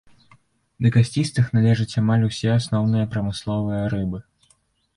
Да касцістых належаць амаль усе асноўныя прамысловыя рыбы.